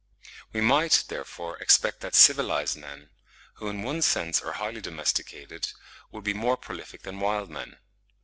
We might, therefore, expect that civilised men, who in one sense are highly domesticated, would be more prolific than wild men.